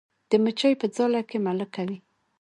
د مچۍ په ځاله کې ملکه وي